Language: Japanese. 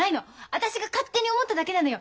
私が勝手に思っただけなのよ。